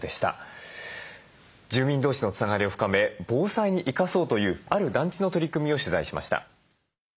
住民同士のつながりを深め防災に生かそうというある団地の取り組みを取材しました。